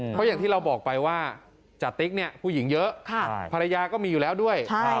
เพราะอย่างที่เราบอกไปว่าจติ๊กเนี่ยผู้หญิงเยอะภรรยาก็มีอยู่แล้วด้วย